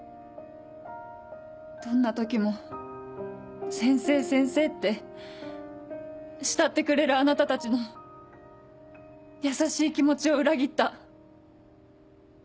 どんな時も「先生先生」って慕ってくれるあなたたちの優しい気持ちを裏切った。